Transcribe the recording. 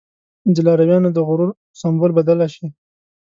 د لارويانو د غرور په سمبول بدله شي.